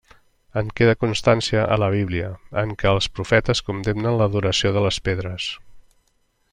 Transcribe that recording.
En queda constància a la Bíblia, en què els profetes condemnen l'adoració de pedres.